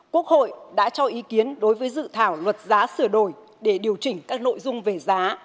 quốc hội đã cho ý kiến đối với dự thảo luật giá sửa đổi để điều chỉnh các nội dung về giá